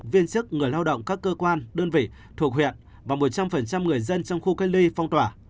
viên chức người lao động các cơ quan đơn vị thuộc huyện và một trăm linh người dân trong khu cách ly phong tỏa